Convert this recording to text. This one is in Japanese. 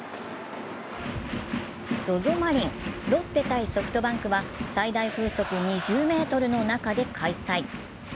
ゾゾマリン、ロッテ×ソフトバンクは最大風速２０メートルの中で開催。